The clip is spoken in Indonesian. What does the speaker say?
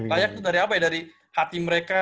layak itu dari apa ya dari hati mereka